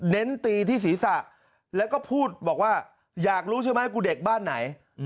ตีที่ศีรษะแล้วก็พูดบอกว่าอยากรู้ใช่ไหมกูเด็กบ้านไหน